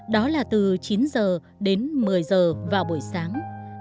đó là từ chín h đến một mươi h vào buổi sáng